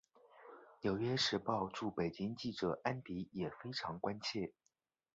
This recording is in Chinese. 纽约时报驻北京记者安迪也非常关切。